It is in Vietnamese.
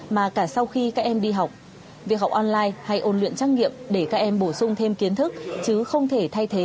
mà cả sau khi các em đi học việc học online hay ôn luyện trắc nghiệm để các em bổ sung thêm kiến thức chứ không thể thay thế